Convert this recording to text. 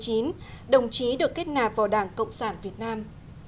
tháng bảy năm một nghìn chín trăm năm mươi chín đồng chí được kết nạp vào đảng cộng sản việt nam